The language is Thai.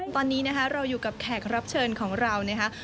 ตอนนี้นะคะเราอยู่กับแขกรับเชิญของเรานะคะ